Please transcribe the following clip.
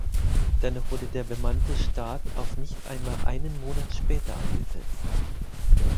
Dennoch wurde der bemannte Start auf nicht einmal einen Monat später angesetzt.